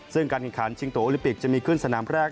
ซึ่งการแข่งขันชิงตัวโอลิปิกจะมีขึ้นสนามแรก